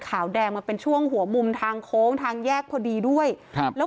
ขาวแดงมันเป็นช่วงหัวมุมทางโค้งทางแยกพอดีด้วยครับแล้ว